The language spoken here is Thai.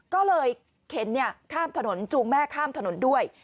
ก็เลยเข็นข้ามถนนจูงแม่ข้ามถนนด้วย